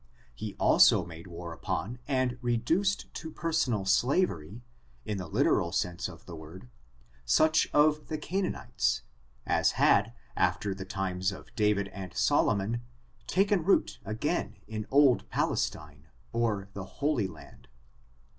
He also made war upon, and reduced to personal slavery, in the literal sense of the word, such of the Canaanites, as had, after the times of David and Solomon, taken root again in old Pal estine or the Holy Land.